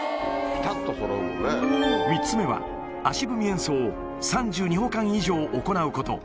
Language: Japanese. ３つ目は、足踏み演奏を３２歩間以上行うこと。